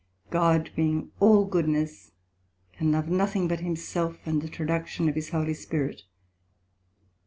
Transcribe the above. God being all goodness, can love nothing but himself, and the traduction of his holy Spirit.